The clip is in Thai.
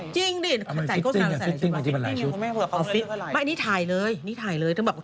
จริงหมุนตัวเหมือนกับ